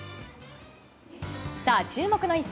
さあ、注目の一戦。